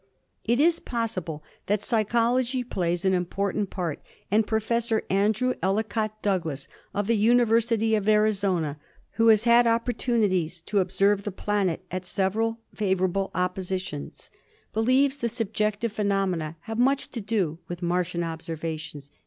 It is possible that psychology plays an important part, and Professor Andrew Ellicott Douglass, of the Uni versity of Arizona, who has had opportunities to observe the planet at several favorable oppositions, believes that 192 ASTRONOMY the subjective phenomena have much to do with Martian observations.